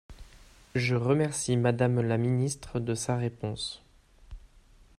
Je remercie Madame la ministre de sa réponse.